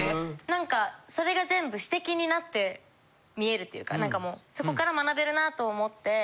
なんかそれが全部指摘になって見えるっていうか何かもうそこから学べるなと思って。